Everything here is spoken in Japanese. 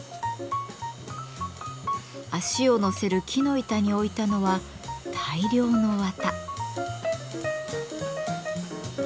足をのせる木の板に置いたのは大量の綿。